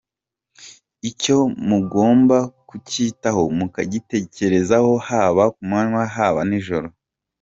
Icyo mugomba kucyitaho mukagitekerezaho haba ku manywa haba nijoro.